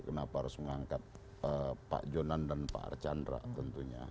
kenapa harus mengangkat pak jonan dan pak archandra tentunya